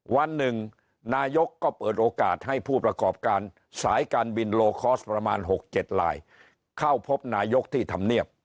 วันหนึ่งนายกก็เปิดโอกาสให้ผู้ประกอบการสายการบินโลคอร์สประมาณ๖๗ลายเข้าพบนายกที่ทำเนียบ